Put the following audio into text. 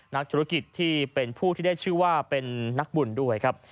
นักธุรกิจที่เป็นผู้ที่ได้ชื่อว่าเป็นนักบุญด้วยครับ